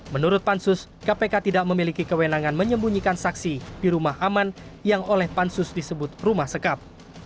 menurut pansus kpk tidak memiliki kewenangan menyembunyikan saksi di rumah aman yang oleh pansus disebut rumah sekap